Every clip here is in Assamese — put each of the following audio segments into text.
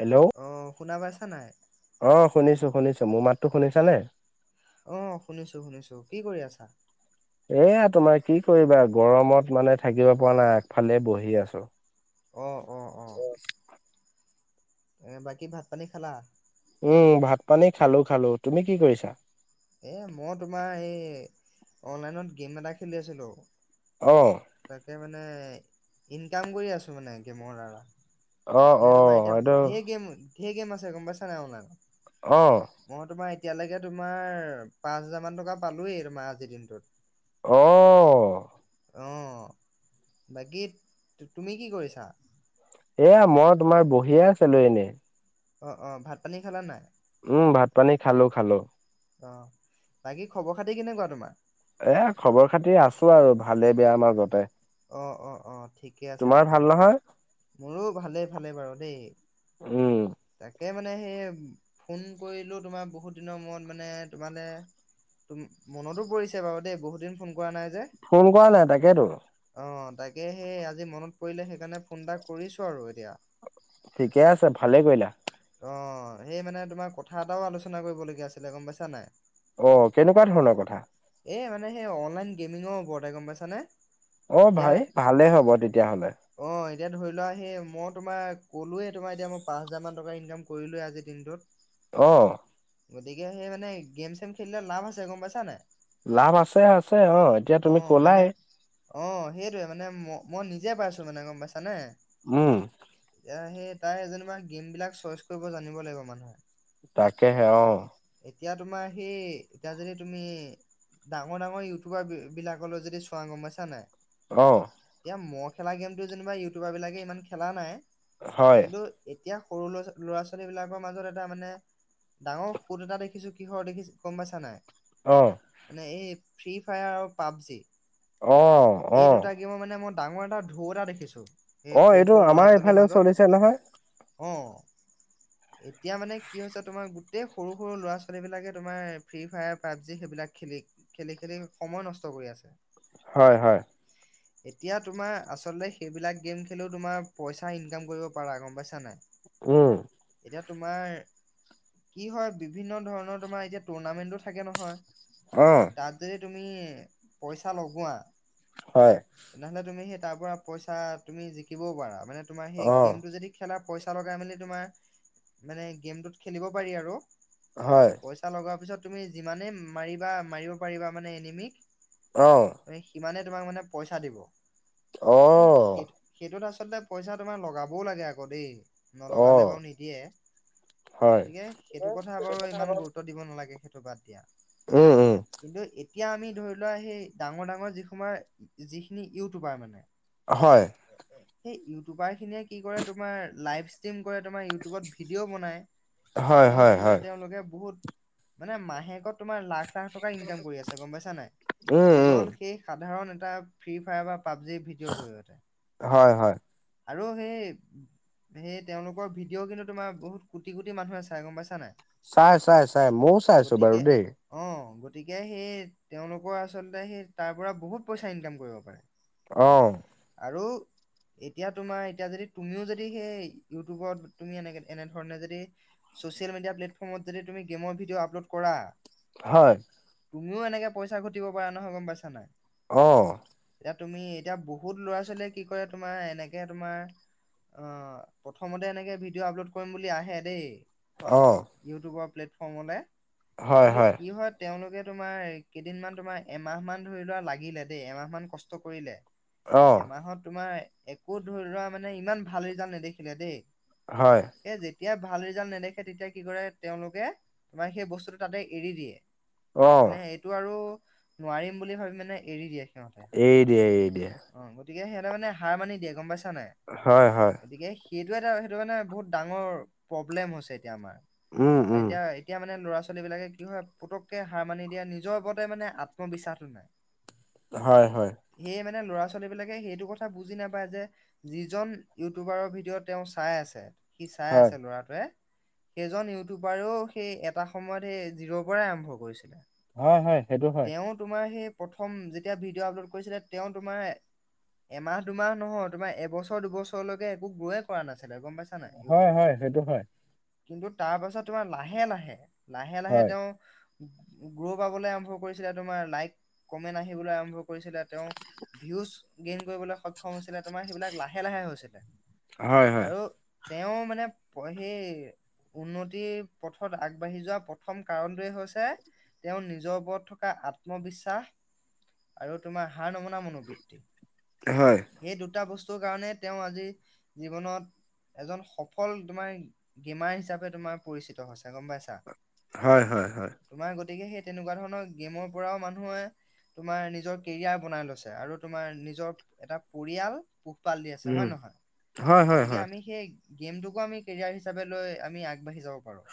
হেল্ল' অ শুনা পাইছা নাই অ' শুনিছো শুনিছো মোৰ মাততো শুনিছানে অ' শুনিছো শুনিছো কি কৰি আছা? এয়া তোমাৰ কি কৰিবা গৰমত মানে থাকিব পৰা নাই আগফালে বহি আছো অ', অ', অ' এ বাকী ভাত পানী খালা উম ভাত পানী খালো খালো তুমি কি কৰিছা এ মই তোমাৰ এই অনলাইনত গেম এটা খেলি আছিলো অ'। তে মানে ইনকাম কৰি আছোঁ মানে গেমৰ দ্বাৰা অ', অ' সেইটো ঠিকেই মাছে গম পাইছা নাই ওলাই অ মই তোমাৰ এতিয়ালৈকে তোমাৰ পাঁচ হাজাৰ মান টকা পালোই ম আজিৰ দিনটোত অ' অ' বাকী তুমি কি কৰিছা এয়া মই তোমাৰ বহিয়ে আছিলো এনেই অ অ ভাত পানী খালা নাই উম ভাত পানী খালো খালো। অ' বাকী খবৰ খাতি কেনেকুৱা তোমাৰ এ খবৰ খাতি আছো আৰু ভালে বেয়া মাজতে অ' অ' অ' ঠিকে আছে তোমাৰ তেতিয়া ভাল নহয় মোৰো ভালেই ভালেই বাৰু দেই উম তাক তাকে মানে সেই ফোন কৰিলোঁ তোমাৰ বহুত দিনৰ মূৰত মানে তোমালৈ তম মনতো পৰিছে বাৰু দেই বহুত দিন ফোন কৰা নাই যে ফোন কৰা নাই তাকেতো অ' তাকে সেই আজি মনত পৰিলে সেইকাৰণে ফোন এটা কৰিছো আৰু এতিয়া ঠিকে আছে ভালে কৰিলা। অ' সেই মানে তোমাৰ কথা এটাও আলোচনা কৰিবলগীয়া আছিলে গম পাইছা নাই অ' কেনেকুৱা ধৰণৰ কথা এই মানে সেই অনলাইন গেমিঙৰ ওপৰতে গম পাইছানে অ' এতিয়া ভাই ভালেই হ'ব তেতিয়াহ'লে অ এতিয়া ধৰি লোৱা সি মই তোমাৰ ক'লোৱেই তোমাৰ এতিয়া মই পাঁচ হাজাৰ মান টকা ইনকাম কৰিলোৱেই আজিৰ দিনটোত অ' গতিকে সেই মানে গেম চেম খেলিলে লাভ আছে গম পাইছানে লাভ আছে আছে অ এতিয়া অ তুমি মানে কলাই অ সেইটোৱে মানে ম মই নিজে পাইছোঁ মানে গম পাইছানে উম এতিয়া সেই তাই যেনিবা গেম বিলাক চইচ কৰিব জানিব লাগিব মানুহে। তাকেহে অ' এতিয়া তোমাৰ সেই এতিয়া যদি তুমি ডাঙৰ ডাঙৰ ইউটিউবাৰ বিলাকলৈ যদি চোৱা গম পাইছা নাই অ'। এতিয়া মই খেলা গেমটো যেনিবা ইউটিউবাৰ বিলাকে ইমান খেলা নাই, হয় কিন্তু এতিয়া সৰু ল'ৰা-ল'ৰা ছোৱালীবিলাকৰ মাজত এটা মানে ডাঙৰ [unintelligible] এটা দেখিছোঁ, কিহৰ দেখিছোঁ গম পাইছা নাই? অ'। মানে এই ফ্ৰী ফায়াৰ আৰু পাবজি। অ', এই অ'। দুটা গেমৰ মানে মই ডাঙৰ এটা ঢৌ এটা দেখিছোঁ। অ', এইটো আমাৰ এইফালেও চলিছে নহয়। অ'। এতিয়া মানে কি হৈছে তোমাৰ, গোটেই সৰু, সৰু ল'ৰা ছোৱালী বিলাকে তোমাৰ ফ্ৰী ফায়াৰ, পাবজি সেইবিলাক খেলি, খেলি, খেলি সময় নষ্ট কৰি আছে। হয়, হয়। এতিয়া তোমাৰ আচলতে সেইবিলাক গেম খেলিও তোমাৰ পইচা ইনকাম কৰিব পাৰা গম পাইছা নাই? উম। এতিয়া তোমাৰ কি হয়, বিভিন্ন ধৰণৰ তোমাৰ এতিয়া টৰ্ণামেন্টো থাকে নহয়। অ তাত যদি তুমি পইচা লগোৱা, হয় তেনেহ'লে তুমি সেই তাৰ পৰা পইচা তুমি জিকিবও পাৰা, মানে তোমাৰ সেই অ গেমটো যদি খেলা পইচা লগাই মেলি তোমাৰ মানে গেমটোত খেলিব পাৰি আৰু। হয় পইচা লগোৱাৰ পিছত তুমি যিমানেই মাৰিবা, মাৰিব পাৰিবা মানে এনিমিক অ এই সিমানে তোমাক মানে পইচা দিব। অ এ, সেইটো, সেইটোত আচ আচলতে পইচা তোমাৰ লগাবও লাগে আকৌ দেই, অ নলগালে বাৰু নিদিয়ে। হয় গতিকে সেইটো কথা বাৰু ইমান গুৰুত্ব দিব নালাগে সেইটো বাদ দিয়া। উম, উম কিন্তু এতিয়া আমি ধৰি লোৱা, সেই ডাঙৰ, ডাঙৰ যি সময়ৰ, যিখিনি ইউটিউবাৰ মানে হয়,। সেই ইউটিউবাৰ খিনিয়ে কি কৰে, তোমাৰ লাইভ ষ্ট্ৰিম কৰে, তোমাৰ ইউটিউবত ভিডিঅ' বনায়, হয় তেনেকে হয় কি কৰে, হয় তেওঁলোকে বহুত মানে মাহেকত লাখ - লাখ টকা ইনকাম কৰি আছে গম পাইছা নে নাই, উম উম কেৱল সেই সাধাৰণ এটা ফ্ৰী ফায়াৰ বা পাবজি ভিডিঅ'ৰ জৰিয়তে হয় হয় আৰু সেই সেই তেওঁলোকৰ ভিডিঅ' কিন্তু বহুত কোটি-কোটি মানুহে চাই গম পাইছা নে নাই। চাই, চাই, চাই, মইও চাই আছো বাৰু গতিকে দেই। অ গতিকে সেই তেওঁলোকৰ আচলতে সেই তাৰ পৰা বহুত পইচা ইনকাম কৰিব পাৰে। অ, ' আৰু এতিয়া তোমাৰ এতিয়া যদি তুমিও যদি সেই ইউটিউবত তুমি এনে ধৰণে যদি চচিয়েল মিডিয়া প্লেটফৰ্মত যদি তুমি গেমৰ ভিডিঅ' আপলোড কৰা। হয়,। তুমিও এনেকে পইচা ঘটিব পাৰা নহয় গম পাইছা নে নাই। অ, ' এতিয়া তুমি এতিয়া বহুত ল'ৰা ছোৱালীয়ে কি কৰে তোমাৰ এনেকে তোমাৰ অ, 'প্ৰথমতে এনেকে ভিডিঅ' আপলোড কৰিম বুলি আহে দেই, অ ইউটিউবৰ প্লেট ফৰ্মলে কিন্তু কি হয় তেওঁলোকে তোমাৰ কেইদিনমান তোমাৰ এমাহ মান ধৰি লোৱা লাগিলে দেই, এমাহ মান কষ্ট কৰিলে। অ এমাহত তোমাৰ একো ধৰি লোৱা মানে ইমান ভাল ৰিজাল্ট নেদেখিলে দেই, হয়,। তেতিয়া ভাল ৰিজাল্ট নেদেখে তেতিয়া কি কৰে, তেওঁলোকে তোমাৰ সেই বস্তুটো তাতে এৰি দিয়ে। অ মানে এইটো আৰু নোৱাৰিম বুলি ভাবি মানে এৰি দিয়ে। সিহঁতে। এৰি দিয়ে, এৰি দিয়ে, অ', গতিকে সিহঁতে মানে হাৰ মানি দিয়ে গম পাইছানে নাই, হয় হয় গতিকে সেইটো এটা সেইটো মানে বহুত ডাঙৰ প্ৰব্লেম হৈছে এতিয়া উম উম আমাৰএতিয়া, এতিয়া মানে ল'ৰা ছ ল'ৰা ছোৱালী বিলাকে কি হয় পুতকে হাৰ মানি দিয়ে নিজৰ ওপৰতেই মানে আত্মবিশ্বাসটো নাই। হয়, হয়। সেয়ে মানে ল'ৰা ছোৱালীবিলাকে সেইটো কথা বুজি নাপায় যে, যিজন ইউটিউবাৰৰ ভিডিঅ' তেওঁ চাই আছে সি চাই হয় আছে ল'ৰাটোৱে। সেইজন ইউটিউবাৰেও সেই এটা সময়ত সেই জিৰ' পৰাই আৰম্ভ কৰিছিলে। হয়, হয়, সেইটো হয়। তেওঁ তোমাৰ সেই প্ৰথম যেতিয়া ভিডিঅ' আপলোড কৰিছিলে। তেওঁ তোমাৰ এমাহ, দুমাহ নহয়, তোমাৰ এবছৰ, দুবছৰলৈকে একো গ্ৰ'ৱে কৰা নাছি গম পাইছা নাই হয় ইউটিউবত? হয় সেইটো হয় কিন্তু, তাৰ পাছত তোমাৰ লাহে, লাহে লাহে, লাহে হয় তেওঁ গ্ৰ' পাবলৈ আৰম্ভ কৰিছিলে, তোমাৰ লাইক, কমেন্ট আহিবলৈ আৰম্ভ কৰিছিলে, তেওঁ ভিউজ গেইন কৰিবলৈ সক্ষম হৈছিলে, তোমাৰ সেইবিলাক লাহে, লাহে হৈছিলে। হয়, হয়। আৰু তেওঁ মানে পে সেই উন্নতিৰ পথত আগবাঢ়ি যোৱা প্ৰথম কাৰণটোৱে হৈছে তেওঁ নিজৰ ওপৰত থকা আত্মবিশ্বাস আৰু তোমাৰ হাৰ নমনা মনোবৃত্তি। হয় সেই দুটা বচ কাৰণে তেওঁ আজি জীৱনত এজন সফল তোমাৰ গেমাৰ হিচাপে তোমাৰ পৰিচিত হৈছে গম পাইছা? হয়, হয়, হয়। তোমাৰ গতিকে সেই তেনেকুৱা ধৰণৰ গেমৰ পৰাও মানুহে তোমাৰ নিজৰ কেৰিয়াৰ বনাই লৈছে, আৰু তোমাৰ নিজৰ এটা পৰিয়াল পাল দি আছে হয়, উম নহয়? হয় হয় গতিকে হয় আমি সেই গেমটোকো আমি কেৰিয়াৰ হিচাপে লৈ আমি আগ বাঢ়ি যাব পাৰোঁ।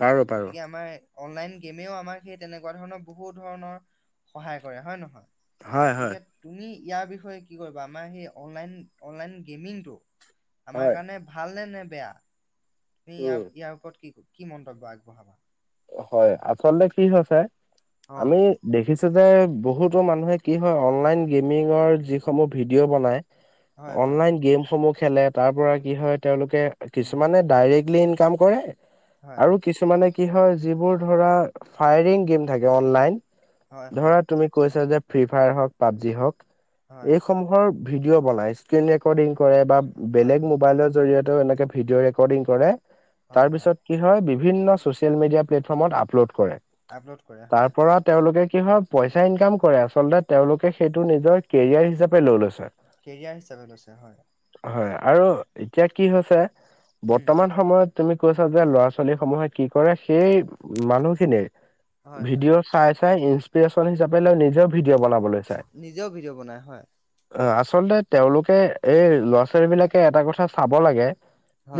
পাৰো পাৰো গতিকে আমাৰ অনলাইন গেমেও আমাক সেই তেনেকুৱা ধৰণৰ বহুত ধৰণৰ সহায় কৰে হয়, নহয়? হয় হয় গতিকে তুমি ইয়াৰ বিষয়ে কি কৰিবা? আমাৰ সেই অনলাইন, অনলাইন গেমিংটো আমাৰ হয় কাৰণে ভালনে, নে বেয়া? তুমি উম ইয়াৰ, ইয়াৰ ওপৰত কি ক কি মন্তব্য আগবঢ়াবা? হয়, আচলতে কি হৈছে অ আমি দেখিছোঁ যে বহুতো মানুহে কি হয়, অনলাইন গেমিঙৰ যিসমূহ ভিডিঅ' বনায়। হয় হয় অনলাইন গেমসমূহ খেলে, তাৰ পৰা কি হয়, তেওঁলোকে উম কিছুমানে ডাইৰেক্ট লী, ইনকাম কৰে, হয় আৰু হয় কিছুমানে কি হয় যিবোৰ ধৰা ফায়াৰিং গেম থাকে অনলাইন, হয় হয় ধৰা তুমি কৈছা যে ফ্ৰী ফায়াৰ হওঁক, পাবজি হওঁক, হয় এইসমূহৰ ভিডিঅ' বনাই, স্ক্ৰীন ৰেকৰ্ডিং কৰে, বা হয় বেলেগ হয় মবাইলৰ জৰিয়তেয়ো এনেকে ভিডিঅ' ৰেকৰ্ডিং কৰে, তাৰপাছত কি হয়, বি বিভিন্ন চচিয়েল মেডিয়া প্লেটফ্ৰমত আপলোড কৰে, আপলোড কৰে হয় তাৰপৰা তেওঁলোকে কি হয়, পইচা ইনকাম কৰে আচলতে তেওঁলোকে সেইটো নিজৰ কেৰিয়াৰ হিচাপে লৈ লৈছে। কেৰিয়াৰ হিচাপে লৈছে হয়। হয়, আৰু এতিয়া কি হৈছে, উম বৰ্তমান সময়ত তুমি কৈছা যে, ল'ৰা ছোৱালীসমূহে কি কৰে, সেই মানুহখিনি হয় হয় ভিডিঅ' চাই, চাই ইঞ্চপ্ৰেচ হিচাপে লয় নিজৰ ভি নিজেও ভিডিঅ' বনাই হয়। আচলতে তেওঁলোকে এই ল'ৰা, ছোৱালীবিলাকে এটা কথা চাব লাগে।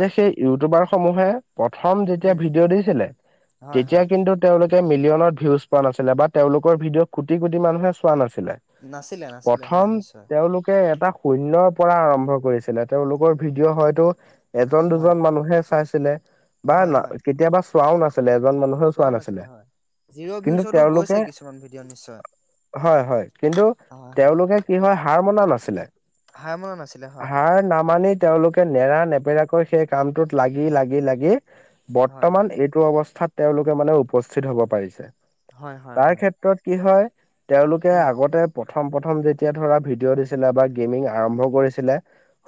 যে সেই ইউটিউবাৰ সমূহে প্ৰথম যেতিয়া উম ভিডিঅ' দিছিলে হয় তেতিয়া হয় কিন্তু তেওঁলোকে মিলিয়নত ভিউজ পোৱা নাছিল বা তেওঁলোকৰ ভিডিঅ' কোটি কোটি মুহে চোৱা নাছিল। নাছিলে নাছিলে প্ৰথম হয় নিশ্চয় তেওঁলোকে এটা শুন্যয়ৰ পৰা আৰম্ভ কৰিছিলে তেওঁলোকৰ ভিডিঅ' হয়তো এজন হয় দুজন মানুহে চাই বা হয় না হয় কেতিয়াবা চোৱাও নাছিল। চোৱাও নাছিলে হয়। জিৰ' কিন্তু ভিউচতো তেওঁলোকে গৈছে কিছুমান ভিডিঅ' নিশ্চয়। হয়। হয় কিন্তু তেওঁলোকে কি হয় হাৰ মনা নাছিল। হাই মনা নাছিলে হয়। নামানি তেওঁলোকে নেৰা নেপেৰাকৈ সেই কামটোত লাগি উম লাগি লাগি হয় বৰ্তমান এইটো অৱস্থা। স্থাত তেওঁলোকে মানে উপস্থিত হ'ব পাৰিছে হয় হয় তাৰ হয় ক্ষেত্ৰত কি হয়। তেওঁলোকে উম আগতে প্ৰথম প্ৰথম যেতিয়া ধৰা ভিডিঅ' দিছিলে বা গেমিং আৰম্ভ কৰিছিলে।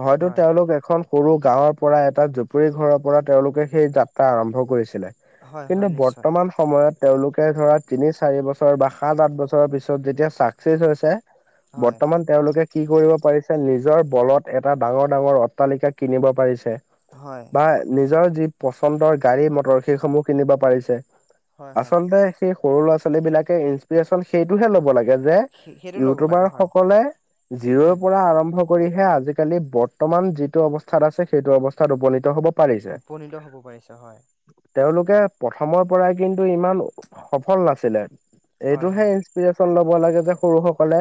হয়তো হয় তেওঁলোক এখন সৰু গাঁৱৰ পৰা এটা জুপুৰি ঘৰৰ পৰা তেওঁলোকে সেই যাত্ৰা আৰম্ভ কৰিছিলে। হয় কিন্তু হয় নিশ্চয় বৰ্তমান সময়ত তেওঁলোকে ধৰা তিনি চাৰি বছৰ বা সাত আঠ বছৰৰ পিছত যেতিয়া চাকচেছ হৈছে। হয় বৰ্তমান তেওঁলোকে কি কৰিব পাৰিছে নিজৰ বলত এটা ডাঙৰ ডাঙৰ অট্টালিকা কিনিব পাৰিছে। হয় বা নিজৰ যি পচন্দৰ গাড়ী মটৰ সেইসমূহ কিনিব পাৰিছে। হয় হয় আচলতে সেই সৰু ল'ৰা ছোৱালী বিলাকে ইনস্পিৰেশ্যন সেইটোহে ল'ব লাগে। সেই সেইটো ল'ব ইউটিউবাৰ লাগে হয় সকলে জিৰ'ৰ উম পৰা আৰম্ভ। কৰিহে আজিকালি বৰ্তমান যিটো অৱস্থাত আছে সেইটো অৱস্থাত উপনীত হ'ব। পাৰিছে উপনীত হ'ব পাৰিছে হয়। তেওঁলোকে প্ৰথমৰ পৰাই কিন্তু ইমান সফল নাছিলে। হয় এইটোহে হয় ইনস্পিৰেশচন ল'ব লাগে যে সৰু সকলে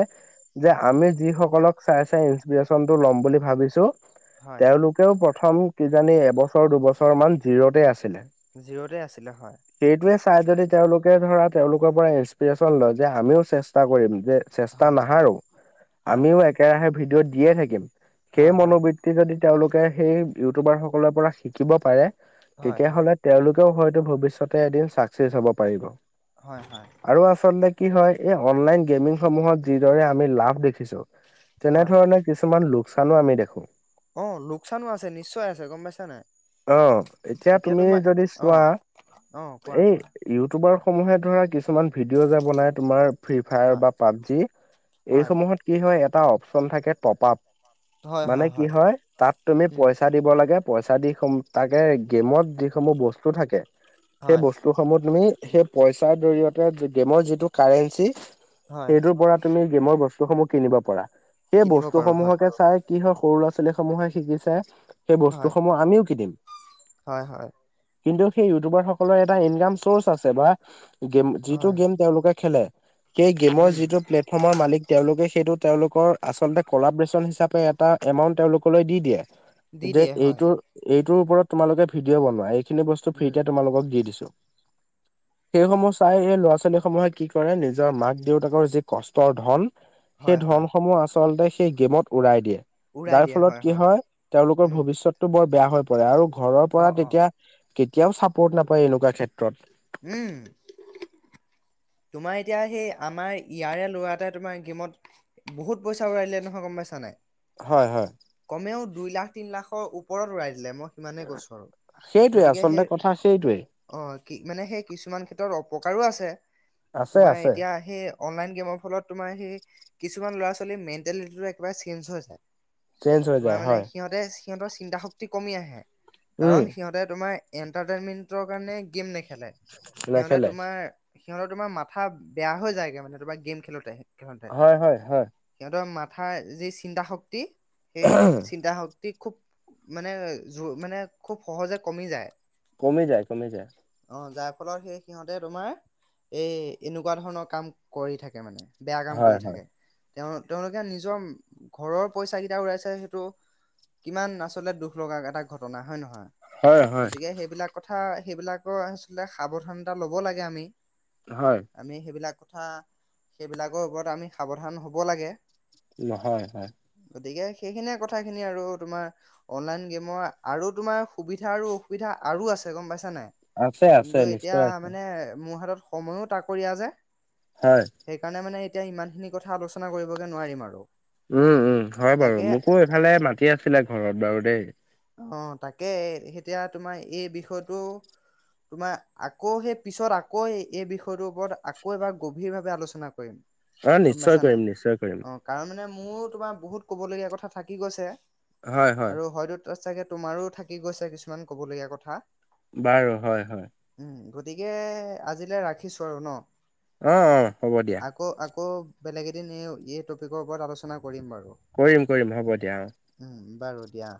যে হয় আমি যিসকলক। চাই চাই ইনসপিৰেশচন টো ল'ম বুলি ভাবিছো হয় তেওঁলোকেও। প্ৰথম কিজানি এবছৰ দুবছৰ মান জিৰ'তে আছিলে। তে আছিলে হয়। সেইটোৱে চাই যদি তেওঁলোকে ধৰা তেওঁলোকৰ পৰা ইনস্পিৰেশ্যন লয় যে আমিও চেষ্টা কৰিম। যে চেষ্টা হয় হয় নাহাৰো আমিও একেৰাহে ভিডিঅ'ত দিয়ে থাকিম। সেই হয় হয় মনোবৃত্তি যদি তেওঁলোকে সেই ইউটিউবাৰ সকলৰ পৰা শিকিব পাৰে। হয় হয় তেতিয়াহ'লে তেওঁলোকেও হয়তো ভৱিষ্যতে এদিন চাকচেচ হ'ব পাৰিব। হয় হয় হয় আৰু আচলতে কি হয় এই অনলাইন গেমিং সমূহত যিদৰে আমি লাভ দেখিছো। তেনে হয় ধৰণে কিছুমান লোকচানো আমি দেখো। অ লোকচানো আছে নিশ্চয় আছে গম পাইছা নাই অ এতিয়া তুমি তোমাৰ। যদি অ চোৱা অ কোৱা এই কোৱা ইউটিউবাৰ সমূহে ধৰা কিছুমান ভিডিঅ' যে বনাই তোমাৰ ফ্ৰী ফায়াৰ হয় বা পাবজি হয় এইসমূহত কি হয় এটা অপচন থাকে টপ আপ মানে কি হয় তাত তুমি উম পইচা দিব লাগে। পইচা দি সম তাকে গেমত যিসমূহ বস্তু থাকে সেই হয় বস্তুসমূহ তুমি সেই পইচাৰ জৰিয়তে গেমৰ যিটো কাৰেঞ্চি হয় সেইটোৰ পৰা তুমি গেমৰ বস্তুসমূহ কিনিব পাৰ সেই কিনিব পাৰো হয় বস্তুসমূহকে চাই কি হয় সৰু ল'ৰা ছোৱালীসমূহে শিকিছে সেই হয় বস্তুসমূহ আমিও কিনম হয়, হয়। কিন্তু সেই ইউটিউবাৰ সকলৰ এটা ইনকাম চৰ্চ আছে বা গেম যিটো হয় গেম তেওঁলোকে খেলে সেই গেমৰ উম যিটো প্লেটফৰ্মৰ মালিক তেওঁলোকে সেইটো তেওঁলোকৰ আচলতে কলাপৰেচন হিচাপে এটা এমাউন্ট তেওঁলোকলৈ দি দিয়ে দি যে দিয়ে হয় এইটোৰ এইটোৰ ওপৰত তোমালোকে ভিডিঅ' বনোৱা। সেখিনি বস্তু উম ফিতে তোমালক দি দিছো। [unintelligible] সেইসমূহ চাই এই ল'ৰা, ছোৱালীসমূহে কি কৰে, নিজৰ মাক, দেউতাকৰ যি কষ্টৰ ধন সেই হয় হয় ধনসমূহ আচলতে সেই গেমত উৰাই দিয়ে। যাৰ ফলত কি হয়, তেওঁলোকৰ উম ভৱিষ্যতটো বৰ বেয়া হৈ পৰে, আৰু ঘৰৰ অ পৰা অ তেতিয়া কেতিয়াও চাপৰ্ট নাপায়, এনেকুৱা ক্ষেত্ৰত। উম। তোমাৰ এতিয়া সেই আমাৰ ইয়াৰে ল'ৰা এটাই তোমাৰ গেমত বহুত পইচা উৰাই দিলে নহয়, গম পাইছা নাই? হয়, হয়। কমেও দুই লাখ, তিনি লাখৰ ওপৰত উৰাই দিলে, মই সমানে গছৰ আৰু সেইটোৱে গতিকে আচলতে সেই কথা সেইটোৱে অ', কি মানে সেই কিছুমান ক্ষেত্ৰত প্ৰকাৰো আছে, আছে তোমাৰ আছে এতিয়া সেই অনলাইন গেমৰ ফলত তোমাৰ সেই কিছুমান ল'ৰা-ছোৱালীৰ মেন্টেলিটিটো একেবাৰে চেঞ্জ হৈ যায়। চেঞ্জ হৈ তোমাৰ যায় মানে হয়। সিহঁতে সিহঁতৰ চিন্তা শক্তি কমি আহে উম কাৰণ সিহঁতে তোমাৰ এন্টাৰটেইনমেন্টৰ কাৰণে গেম নেখেলে সিহঁতে নেখেলে তোমাৰ সিহঁত তোমাৰ মাথা বেয়া হৈ যায়গে মানে তোমাৰ গেম খেলোঁতে খেলোঁতে হয় হয় হয় সিহঁতৰ মা থা যি চিন্তা শক্তি, সেই চিন্তা শক্ তি খুব মানে জ' মানে খুব সহজে কমি যায়। কমি যায়, কমি যায়। অ', যাৰ ফলত সেই সিহঁতে তোমাৰ এই এনেকুৱা ধৰণৰ কাম কৰি থাকে মানে। বেয়া কাম হয় কৰি হয় থাকে, তেওঁ তেওঁলোকে নিজৰ ঘৰৰ পইচাকেইটা ওলাইছে সেইটো কিমান আচলতে দুখ লগা এটা ঘটনা হয নে নহয়। হয় হয় গতিকে সেইবিলাক কথা সেইবিলাকৰ আচলতে সাৱধানতা ল'ব লাগে আমি। হয় আমি সেইবিলাক কথা সেইবিলাকৰ ওপৰত আমি সাৱধান হ'ব লাগে। নহয়, হয়। গতিকে সেইখিনিয়ে কথাখিনি আৰু তোমাৰ অনলাইন গেমৰ আৰু তোমাৰ সুবিধা আৰু অসুবিধা আৰু আছে, গম পাইছ চা নাই আছে আছে কিন্তু এতিয়া নিশ্চয় আছে মানে মোৰ হাতত সময়ো তাকৰীয়া যে। হয় সেইকাৰণে মানে এতিয়া ইমানখিনি কথা আলোচনা কৰিবগে নোৱাৰিম আৰু। উম, উম, হয় বাৰু, তাকে মোকো এইফালে মাতি আছিলে ঘৰত বাৰু দেই। অ', তাকে এতিয়া তোমাৰ এই বিষয়টো তোমাৰ আকৌ সেই পিছত আকৌ সেই এই বিষয়টোৰ ওপৰত আকৌ এবাৰ গভীৰভাৱে আলোচনা কৰিম। অ', গম নিশ্চয় পাইছা নাই কৰিম, নিশ্চয় কৰিম। অ কাৰণ মানে মোৰো তোমাৰ বহুত ক'ব লগীয়া কথা থাকি গৈছে। হয়, হয়। ত চাগে তোমাৰো থাকি গৈছে কিছুমান কবলগীয়া কথা বাৰু হয় হয়। উম, গতিকে আজিলৈ ৰাখিছোঁ আৰু ন' অ অ' হ'ব দিয়া আকৌ আকৌ বেলেগ এদিন এই টপিকৰ ওপৰত আলোচনা কৰ কৰিম কৰিম হ'ব দিয়া অ' উম, বাৰু দিয়া।